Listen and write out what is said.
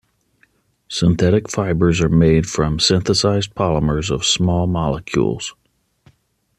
Synthetic fibers are made from synthesized polymers of small molecules.